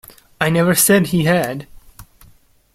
I never said he had.